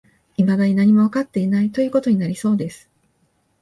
未だに何もわかっていない、という事になりそうです